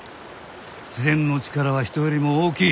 自然の力は人よりも大きい。